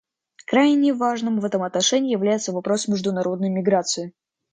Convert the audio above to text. Крайне важным в этом отношении является вопрос международной миграции.